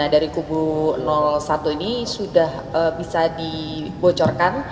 dari kubu satu ini sudah bisa dibocorkan